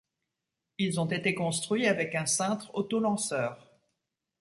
Ils ont été construits avec un cintre auto-lanceur.